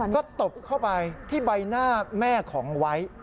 ก็ตบเข้าไปที่ใบหน้าแม่ของไว้